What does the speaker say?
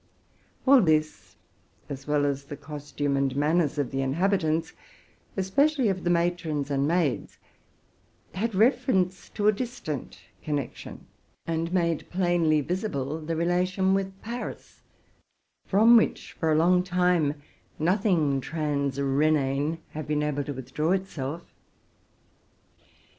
All this, as well as the costume and manners of the inhabitants, especially of the matrons and maids, had reference to a distant connection, apd made plainly visible the relation with Paris, from which, fur a long time, nothing transrhenane had been able to with draw itself.